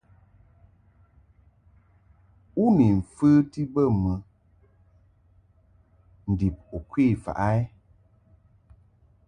U ni mfəti bə mɨ ndib u kwe faʼ a ?